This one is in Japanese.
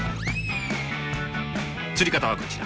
釣り方はこちら。